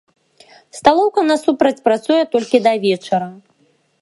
Сталоўка насупраць працуе толькі да вечара.